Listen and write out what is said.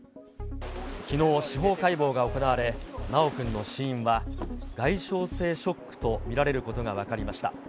きのう、司法解剖が行われ、修くんの死因は、外傷性ショックと見られることが分かりました。